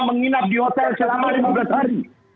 menginap di hotel selama lima belas hari